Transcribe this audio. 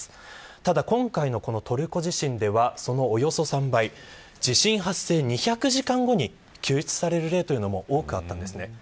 ただ、今回のトルコ地震ではそのおよそ３倍地震発生２００時間後に救出される例も多くありました。